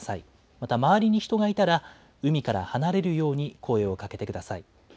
また周りに人がいたら、海から離れるように声をかけてください。